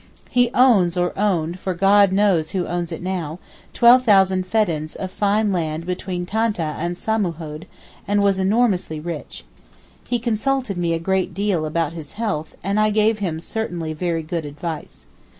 He owns (or owned, for God knows who has it now) 12,000 feddans of fine land between Tantah and Samanhoud, and was enormously rich. He consulted me a great deal about his health, and I gave him certainly very good advice.